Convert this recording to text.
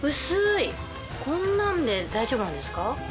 こんなんで大丈夫なんですか？